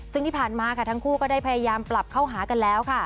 ซึ่งที่ผ่านมาค่ะทั้งคู่ก็ได้พยายามปรับเข้าหากันแล้วค่ะ